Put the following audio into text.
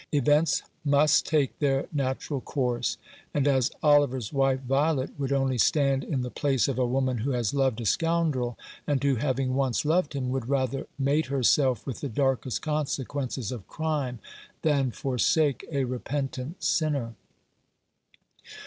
Events must take their natural course, and as Oliver's wife Violet would only stand in the place of a woman who has loved a scoundrel, and who, having once loved him, would rather mate herself with the darkest consequences of crime than forsake a repentant sinner.